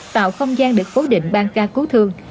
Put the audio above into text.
tạo không gian được phối định ban ca cứu thương